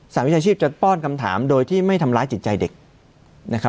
หวิชาชีพจะป้อนคำถามโดยที่ไม่ทำร้ายจิตใจเด็กนะครับ